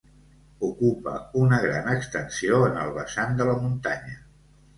Ocupa una gran extensió en el vessant de la muntanya.